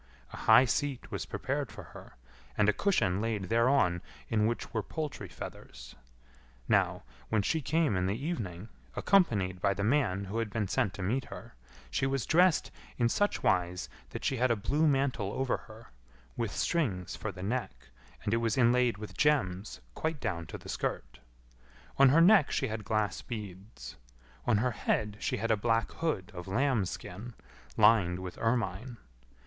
A high seat was prepared for her, and a cushion laid thereon in which were poultry feathers. Now, when she came in the evening, accompanied by the man who had been sent to meet her, she was dressed in such wise that she had a blue mantle over her, with strings for the neck, and it was inlaid with gems quite down to the skirt. On her neck she had glass beads. On her head she had a black hood of lambskin, lined with ermine.